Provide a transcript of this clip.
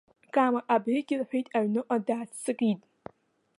Кама абригь лҳәеит, аҩныҟа дааццакит.